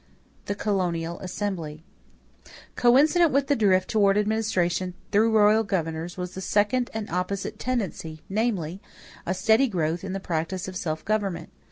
=The Colonial Assembly.= Coincident with the drift toward administration through royal governors was the second and opposite tendency, namely, a steady growth in the practice of self government.